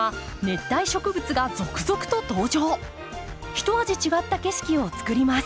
ひと味違った景色をつくります。